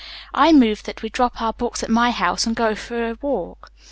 "I move that we drop our books at my house and go for a walk."